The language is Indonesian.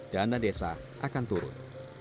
dana desa akan turun